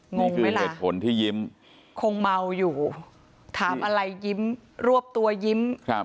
นี่คือเหตุผลที่ยิ้มก็ลงไมละคงเมาอยู่ถามอะไรยิ้มรวบตัวยิ้ม